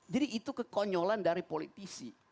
jadi itu kekonyolan dari politisi